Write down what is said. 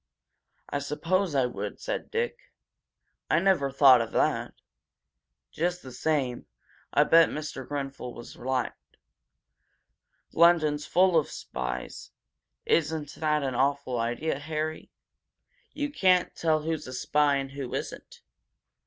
"I suppose I would," said Dick. "I never thought of that! Just the same, I bet Mr. Grenfel was right. London's full of spies. Isn't that an awful idea, Harry? You can't tell who's a spy and who isn't!"